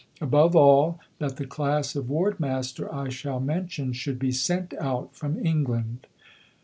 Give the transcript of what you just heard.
Above all, that the class of Ward Master I shall mention should be sent out from England.